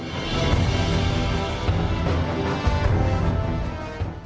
เหมือนกัน